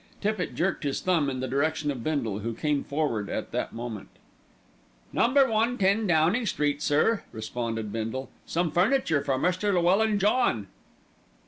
Tippitt jerked his thumb in the direction of Bindle, who came forward at that moment. "Number 110, Downing Street, sir," responded Bindle. "Some furniture for Mr. Llewellyn John."